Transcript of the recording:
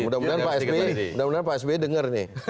mudah mudahan pak s b dengar nih